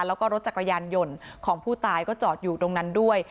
แล้วก็รถจักรยานยนต์ของผู้ตายก็จอดอยู่ตรงนั้นด้วย